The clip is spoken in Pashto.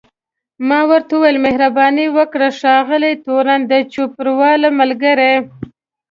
ما ورته وویل مهرباني وکړئ ښاغلی تورن، د چوپړوال ملګری.